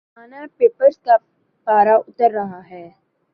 Panama papers کا پارہ اتر رہا ہے۔